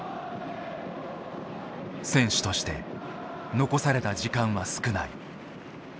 選手として残された時間は少ない。